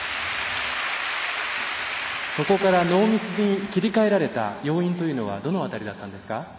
そこからノーミスに切り替えられた要因というのはどの辺りだったんですか？